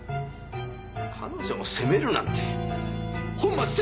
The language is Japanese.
彼女を責めるなんて本末転倒だ！